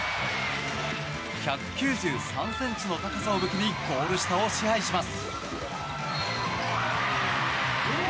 １９３ｃｍの高さを武器にゴール下を支配します。